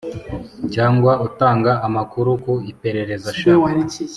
cyangwa utanga amakuru ku iperereza sha